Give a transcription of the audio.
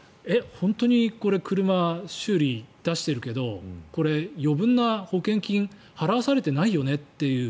本当に車、修理出してるけどこれ、余分な保険金払わされてないよねっていう。